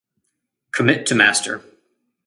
Commit to master